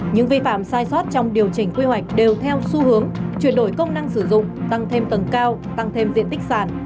những vi phạm sai sót trong điều chỉnh quy hoạch đều theo xu hướng chuyển đổi công năng sử dụng tăng thêm tầng cao tăng thêm diện tích sản